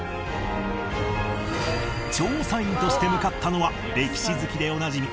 調査員として向かったのは歴史好きでおなじみ